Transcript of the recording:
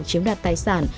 chiếm đoạt tài sản